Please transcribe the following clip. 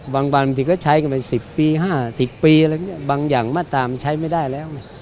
บางบางทีก็ใช้กันไป๑๐๑๕ปีบางอย่างมาตรามันใช้ไม่ได้แล้ว